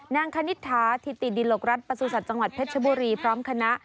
นางคณิตฐาทิติดินหลกรัฐประสูจิศัตริย์จังหวัดเพชรบุรีพร้อมคณะ